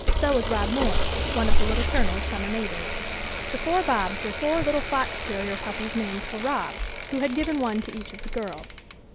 So was Rob Moore, one of the Little Colonel's summer neighbours. The four Bobs were four little fox terrier puppies named for Rob, who had given one to each of the girls.